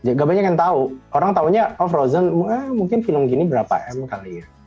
nggak banyak yang tahu orang tahunya oh frozen mungkin film gini berapa m kali ya